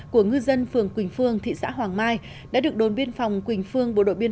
của ngư dân phường quỳnh phương thị xã hoàng mai đã được đồn biên phòng quỳnh phương bộ đội biên